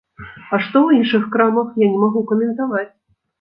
А што ў іншых крамах, я не магу каментаваць.